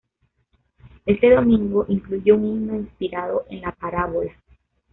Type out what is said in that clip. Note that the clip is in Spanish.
Este domingo incluye un himno inspirado en la parábola.